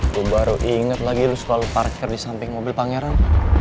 gue baru inget lagi lu selalu parkir di samping mobil pangeran